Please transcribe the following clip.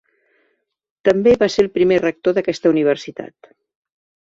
També va ser el primer rector d'aquesta universitat.